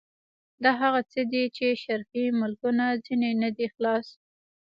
دا هغه څه دي چې شرقي ملکونه ځنې نه دي خلاص.